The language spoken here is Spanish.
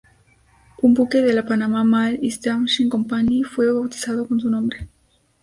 Un buque de la "Panamá Mail Steamship Company" fue bautizado con su nombre.